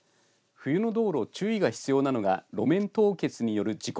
冬の道路、注意が必要なのが路面凍結による事故。